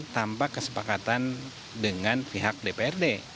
tanpa kesepakatan dengan pihak dprd